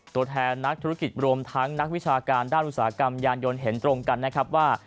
ตัวแทนนักธุรกิจรวมทั้งนักวิชาการด้านอุตสาหกรรมยานยนต์เห็นตรงกันนะครับว่า